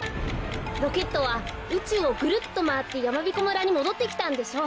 ロケットはうちゅうをぐるっとまわってやまびこ村にもどってきたんでしょう。